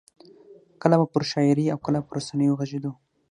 کله به پر شاعرۍ او کله پر رسنیو غږېدو.